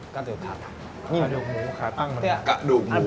กระดูกหมูครับ